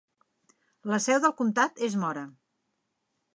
La seu del comtat és Mora.